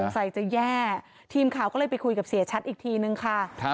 ใส่จะแย่ทีมข่าวก็เลยไปคุยกับเสียชัดอีกทีนึงค่ะ